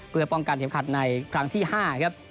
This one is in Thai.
เพื่อป้องกันเข็มขัดในครั้งที่๕ครับ